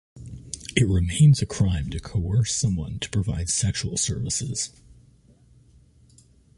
It remains a crime to coerce someone to provide sexual services.